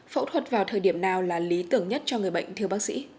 phẫu thuật vào thời điểm nào là lý tưởng nhất cho người bệnh thưa bác sĩ